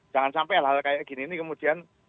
jangan sampai hal hal kayak gini ini kemudian